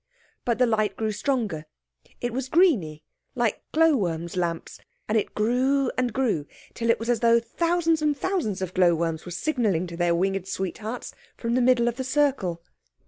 But the light grew stronger. It was greeny, like glow worms' lamps, and it grew and grew till it was as though thousands and thousands of glow worms were signalling to their winged sweethearts from the middle of the circle.